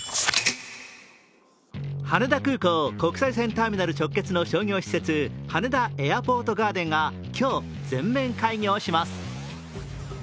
羽田空港国際線ターミナル直結の商業施設羽田エアポートガーデンが今日、全面開業します。